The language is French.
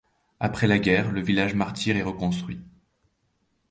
Après la guerre, le village martyr est reconstruit.